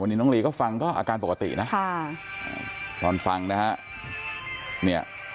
วันนี้น้องลีก็ฟังก็อาการปกตินะค่ะตอนฟังนะฮะเนี่ย